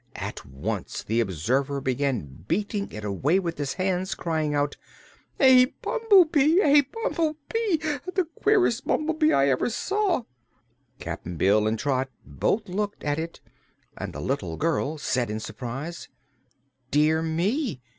At once the Observer began beating it away with his hands, crying out: "A bumblebee! A bumblebee! The queerest bumblebee I ever saw!" Cap'n Bill and Trot both looked at it and the little girl said in surprise: "Dear me!